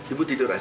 ibu tidur aja